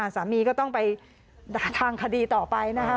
สามีก็ต้องไปทางคดีต่อไปนะคะ